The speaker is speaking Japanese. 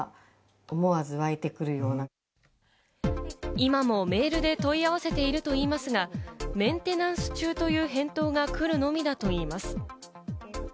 今もメールで問い合わせているといいますが、メンテナンス中という返答が来るのみだといいます。